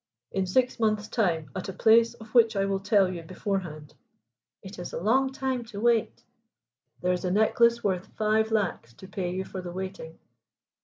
"In six months' time at a place of which I will tell you beforehand." "It is a long time to wait." "There is a necklace worth five lacs to pay you for the waiting."